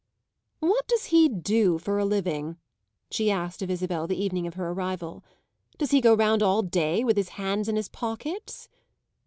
"What does he do for a living?" she asked of Isabel the evening of her arrival. "Does he go round all day with his hands in his pockets?"